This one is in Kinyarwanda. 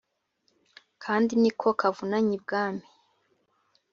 kandi niko kavunanye ibwami"